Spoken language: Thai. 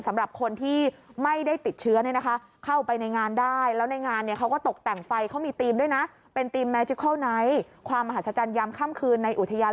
สำหรับคนที่ไม่ได้ติดเชื้อเนี่ยนะคะ